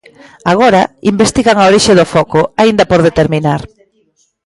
Agora, investigan a orixe do foco, aínda por determinar.